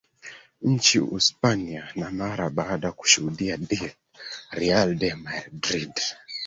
nchi uspania na mara baada kushudia real de maldrid